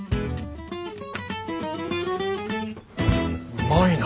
うまいな。